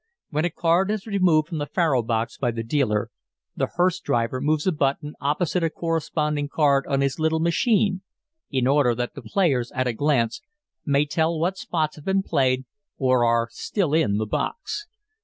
When a card is removed from the faro box by the dealer, the "hearse driver" moves a button opposite a corresponding card on his little machine, in order that the players, at a glance, may tell what spots have been played or are still in the box.